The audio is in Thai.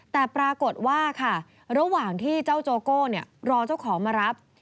แต่ปรากฏว่าค่ะระหว่างที่เจ้าโจโก้รอเจ้าของมารับ